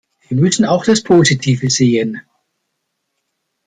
Wir müssen auch das Positive sehen.